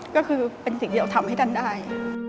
ก็คือเป็นสิ่งเดียวทำให้ท่านได้